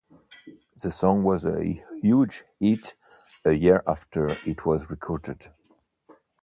The song was a huge hit a year after it was recorded.